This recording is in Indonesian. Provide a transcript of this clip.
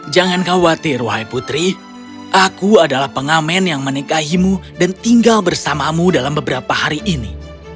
jangan khawatir wahai putri aku adalah pengamen yang menikahimu dan tinggal bersamamu dalam beberapa hari ini